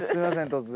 突然。